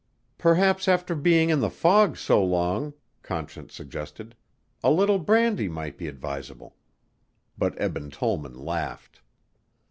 "Perhaps after being in the fog so long," Conscience suggested, "a little brandy might be advisable," but Eben Tollman laughed.